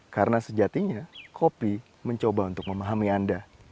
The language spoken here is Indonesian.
karena sejatinya kopi mencoba untuk memahami anda